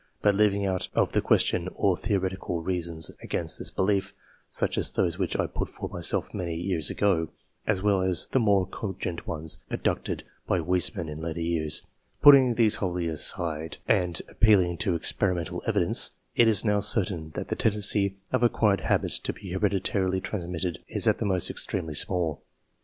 But leaving out of the question all theoretical reasons against this belief, such as those which I put forward myself many years ago, as well as the more cogent ones adduced by Weissman in late years, putting these wholly aside, and TO THE EDITION OF 1892 xv appealing to experimental evidence, it is now certain that the tendency of acquired habits to be hereditarily trans mitted is at the most extremely small.